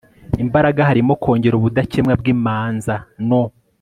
imbaraga harimo kongera ubudakemwa bw imanza no